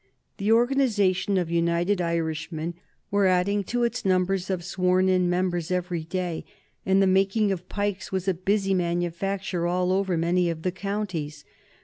The organization of United Irishmen was adding to its numbers of sworn in members every day, and the making of pikes was a busy manufacture all over many of the counties.